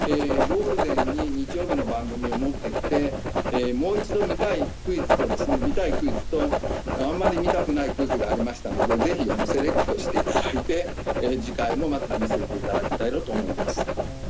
ゴールデンに日曜日の番組を持って来てもう一度見たいクイズとあんまり見たくないクイズがありましたのでぜひセレクトしていただいて次回もまた見せていただきたいと思います。